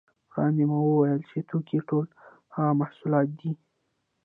وړاندې مو وویل چې توکي ټول هغه محصولات دي